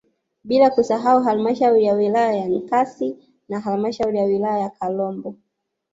bila kusahau halmashauri ya wilaya ya Nkasi na halmashauri ya wilaya ya Kalambo